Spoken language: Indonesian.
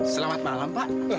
selamat malam pak